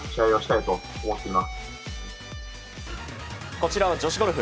こちらは女子ゴルフ。